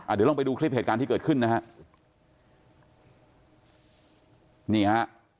เดี๋ยวลองไปดูคลิปเหตุการณ์ที่เกิดขึ้นนะฮะนี่ฮะ